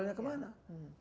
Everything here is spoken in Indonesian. gak ada pasar